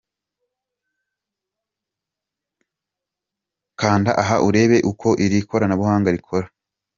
Kanda aha urebe uko iri koranabuhanga rikora